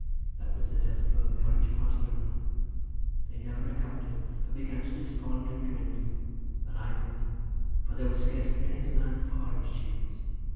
That was the death blow of the Orange party, your hanner; they never recovered it, but began to despond and dwindle, and I with them, for there was scarcely any demand for Orange tunes.